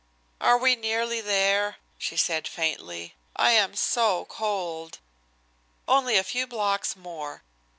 "Are we nearly there?" she said faintly. "I am so cold." "Only a few blocks more."